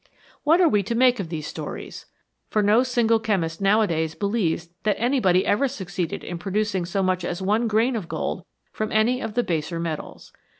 What are we to make of these stories ? For no single chemist nowadays believes that anybody ever succeeded in producing so much as one grain of gold from any of the baser metals.